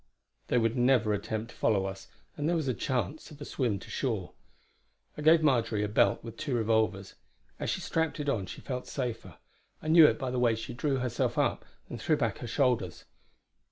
They would never attempt to follow us, and there was a chance of a swim to shore. I gave Marjory a belt with two revolvers. As she strapped it on she felt safer; I knew it by the way she drew herself up, and threw back her shoulders.